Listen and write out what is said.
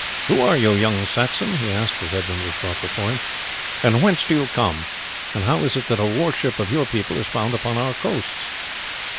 Who are you, young Saxon?" he asked as Edmund was brought before him, "and whence do you come? And how is it that a war ship of your people is found upon our coasts?"